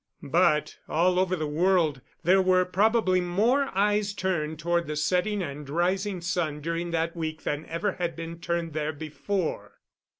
But, all over the world, there were probably more eyes turned toward the setting and rising sun during that week than ever had been turned there before.